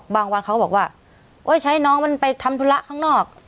วันเขาบอกว่าใช้น้องมันไปทำธุระข้างนอก